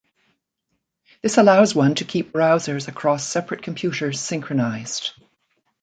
This allows one to keep browsers across separate computers synchronized.